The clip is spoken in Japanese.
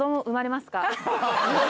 生まれますか？